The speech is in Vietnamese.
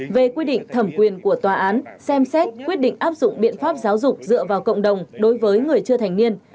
về quy định thẩm quyền của tòa án xem xét quyết định áp dụng biện pháp giáo dục dựa vào cộng đồng đối với người chưa thành niên